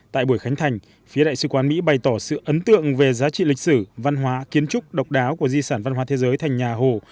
tại buổi khánh thành phía đại sứ quán mỹ bày tỏ sự ấn tượng về giá trị lịch sử văn hóa kiến trúc độc đáo của di sản văn hóa thế giới thành nhà hồ